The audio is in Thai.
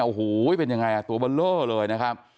โอ้โหเป็นยังไงตัวเบลอเลยนะครับ